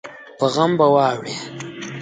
په غم به واوړې